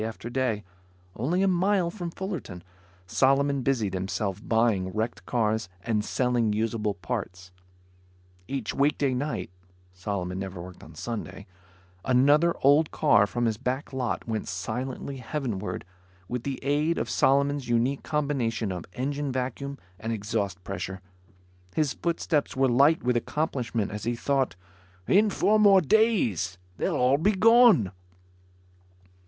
Day after day, only a mile from Fullerton, Solomon busied himself buying wrecked cars and selling usable parts. Each weekday night Solomon never worked on Sunday another old car from his back lot went silently heavenward with the aid of Solomon's unique combination of engine vacuum and exhaust pressure. His footsteps were light with accomplishment as he thought, "In four more days, they'll all be gone."